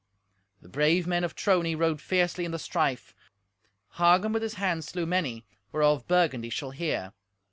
The brave men of Trony rode fiercely in the strife. Hagen with his hand slew many, whereof Burgundy shall hear.